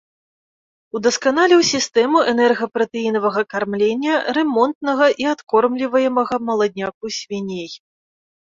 Удасканаліў сістэму энерга-пратэінавага кармлення рэмонтнага і адкормліваемага маладняку свіней.